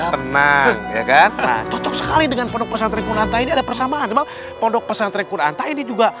tenang sekali dengan pondok pesantri kunanta ini ada persamaan pondok pesantri kunanta ini juga